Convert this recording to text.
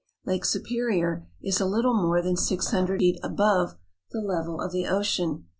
Lake Superior is a little more than six hundred feet above the level of the ocean.